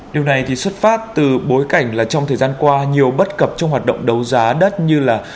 điều này thì xuất phát từ bối cảnh là trong thời gian qua nhiều bất cập trong hoạt động đấu giá đất như là